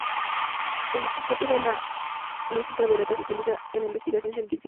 El microscopio de luz ultravioleta se utiliza en la investigación científica.